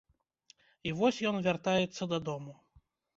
І вось ён вяртаецца дадому.